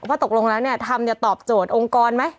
ว่าตกลงแล้วทำจะตอบโจทย์องค์กรไหม